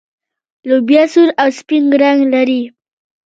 لوبیا سور او سپین رنګ لري.